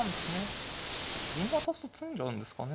銀渡すと詰んじゃうんですかね